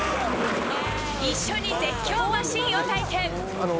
一緒に絶叫マシンを体験。